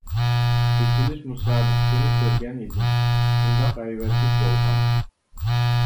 ئېچىلىش مۇسابىقىسىنى كۆرگەن ئىدىم، شۇنداق ھەيۋەتلىك بولغان.